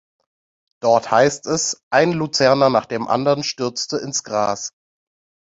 Dort heisst es: "Ein Luzerner nach dem andern stürzte ins Gras.